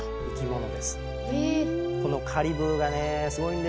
このカリブーがねすごいんですよ。